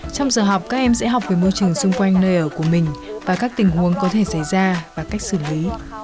trong giờ học các em sẽ học về môi trường xung quanh nơi ở của mình và các tình huống có thể xảy ra và cách xử lý